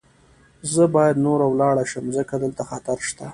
زه باید نوره ولاړه شم، ځکه دلته خطر شته.